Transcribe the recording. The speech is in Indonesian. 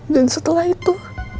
dan setelah itu